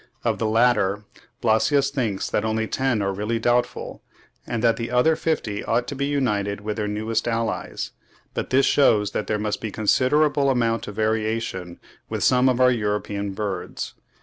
Of the latter, Blasius thinks that only ten are really doubtful, and that the other fifty ought to be united with their nearest allies; but this shews that there must be a considerable amount of variation with some of our European birds.